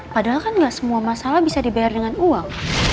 padahal kan nggak semua masalah bisa dibayar dengan uang